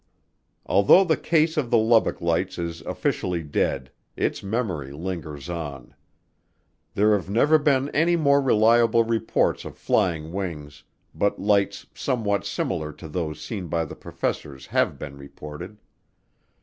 Although the case of the Lubbock Lights is officially dead, its memory lingers on. There have never been any more reliable reports of "flying wings" but lights somewhat similar to those seen by the professors have been reported.